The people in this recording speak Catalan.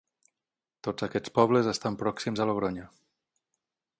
Tots aquests pobles estan pròxims a Logronyo.